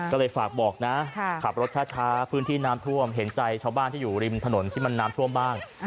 ก็เลยฝากบอกนะขับรถช้าพื้นที่น้ำท่วมเห็นใจชาวบ้านที่อยู่ริมถนนที่มันน้ำท่วมบ้าง